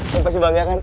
kamu pasti bangga kan